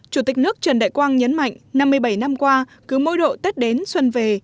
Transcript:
chủ tịch nước trần đại quang nhấn mạnh năm mươi bảy năm qua cứ mỗi độ tết đến xuân về